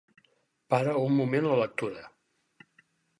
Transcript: Para un moment la lectura.